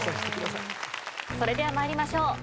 それでは参りましょう。